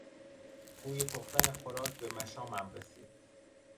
بوی پختن خوراک به مشامم رسید.